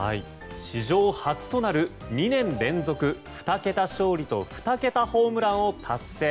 史上初となる２年連続２桁勝利と２桁ホームランを達成。